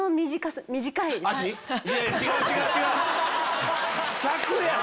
違う違う！